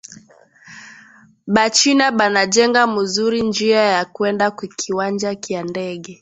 Ba china bana jenga muzuri njia ya kwenda ku kiwanja kya ndege